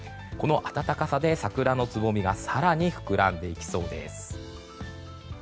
この暖かさで桜のつぼみが更に膨らんでいきそうです。